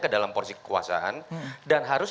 kedalam porsi kekuasaan dan harus